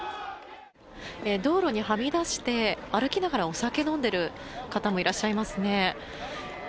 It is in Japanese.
道路にはみ出して歩きながらお酒を飲んでいる方もいらっしゃいますね。